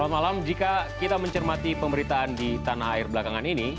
selamat malam jika kita mencermati pemberitaan di tanah air belakangan ini